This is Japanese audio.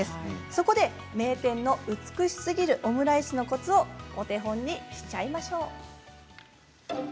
そこで名店の美しすぎるオムライスのコツをお手本にしちゃいましょう。